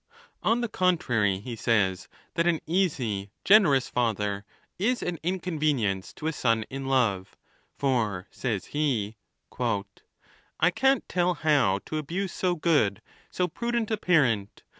On the contrary, he says that an easy, generous father is an inconvenience to a son in love ; for, says he, I can't tell how to abuse so good, so prudent a parent.